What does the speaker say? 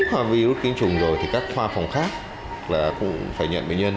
qua virus kính trùng rồi thì các khoa phòng khác là cũng phải nhận bệnh nhân